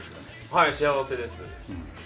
はい、幸せです。